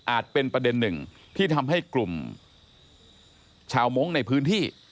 เป็นประเด็นหนึ่งที่ทำให้กลุ่มชาวมงค์ในพื้นที่